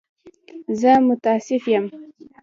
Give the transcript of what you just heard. زه متأسف یم.